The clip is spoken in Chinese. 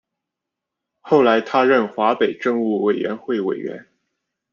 后来他任华北政务委员会委员。